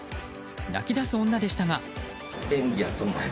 泣き出す女でしたが。